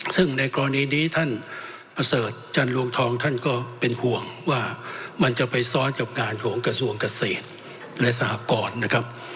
ซึ่งในกรณีนี้ท่านประเสริฐจันรวงทองท่านก็เป็นห่วงว่ามันจะไปซ้อนกับงานของกระทรวงเกษตรและสหกรนะครับ